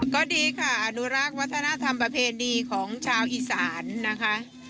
ก็ดีค่ะอนุรักษ์วัฒนธรรมประเพณีของชาวอีสานนะคะ